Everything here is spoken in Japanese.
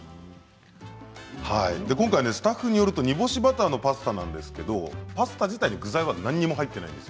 今回スタッフによると煮干しバターのパスタなんですけれどパスタ自体に具材は何も入ってないんです。